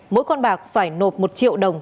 mỗi con bạc phải nộp một triệu đồng